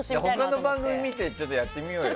他の番組を見てちょっとやってみようよ。